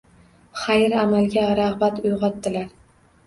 Xayr amalga rag‘bat uyg‘otdilar